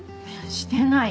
してないよ。